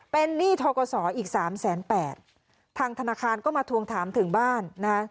เป็นนี่ทะกสอีก๓แสน๘บาททางธนาคารก็มาทวงถามถึงบ้าน